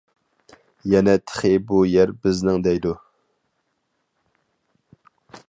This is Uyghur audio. يەنە تېخى بۇ يەر بىزنىڭ دەيدۇ.